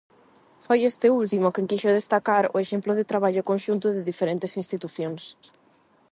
Foi este último, quen quixo destacar "o exemplo de traballo conxunto de diferentes institucións".